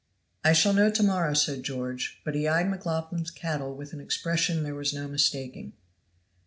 "I shall know to morrow," said George. But he eyed McLaughlan's cattle with an expression there was no mistaking.